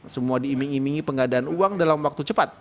semua diiming imingi pengadaan uang dalam waktu cepat